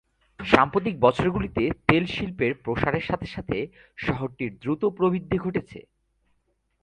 সাম্প্রতিক বছরগুলিতে তেল শিল্পের প্রসারের সাথে সাথে শহরটির দ্রুত প্রবৃদ্ধি ঘটেছে।